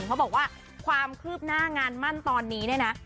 เขาบอกว่าความคืบหน้างานมั่นตอนนี้เนี่ยนะ